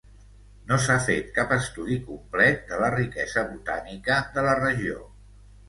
No s'ha fet cap estudi complet de la riquesa botànica de la regió.